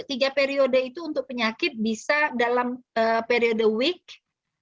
tiga periode itu untuk penyakit bisa dalam periode week month years atau setiap bulan